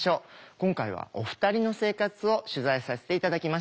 今回はお二人の生活を取材させて頂きました。